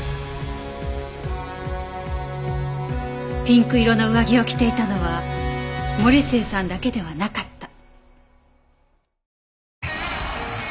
ピンク色の上着を着ていたのは森末さんだけではなかった。